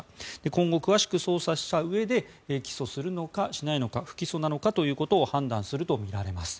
今後、詳しく捜査したうえで起訴するのかしないのか不起訴なのかということを判断するとみられます。